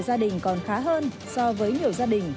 gia đình còn khá hơn so với nhiều gia đình